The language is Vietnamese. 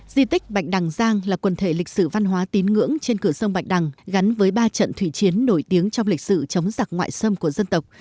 di tích bạch đằng giang là quần thể lịch sử văn hóa tín ngưỡng trên cửa sông bạch đằng gắn với ba trận thủy chiến nổi tiếng trong lịch sử chống giặc ngoại xâm của dân tộc